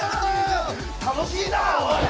楽しいなおい！